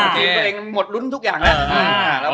ตัวเองหมดรุ้นทุกอย่างนะ